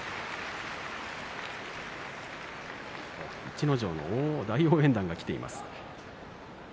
逸ノ城の大応援団が来ています。